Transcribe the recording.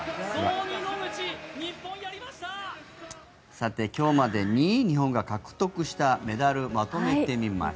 さて、今日までに日本が獲得したメダルをまとめてみました。